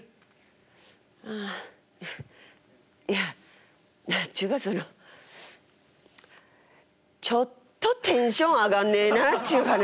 ああいやっちゅうかそのちょっとテンション上がんねえなっちゅう話。